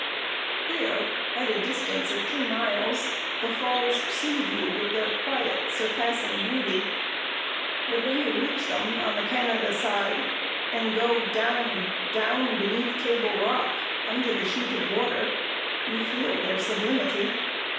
Here, at the distance of two miles, the Falls soothe you with their quiet, surpassing beauty. But when you reach them on the Canada side, and go down, down, beneath Table Rock, under the sheet of water, you feel their sublimity.